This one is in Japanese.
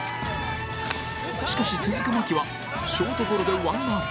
しかし続く牧はショートゴロでワンアウト